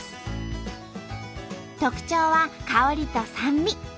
特徴は香りと酸味。